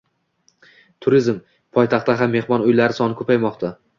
Turizm: Poytaxtda ham mehmon uylari soni koʻpaymoqda